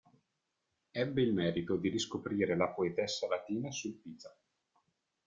Ebbe il merito di riscoprire la poetessa latina Sulpicia.